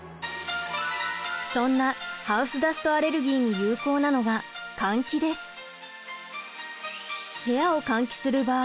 そんなハウスダストアレルギーに有効なのが換気です。